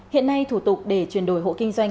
hiện nay thủ tục để chuyển đổi hộ kinh doanh